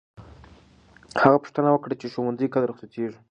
هغه پوښتنه وکړه چې ښوونځی کله رخصتېږي.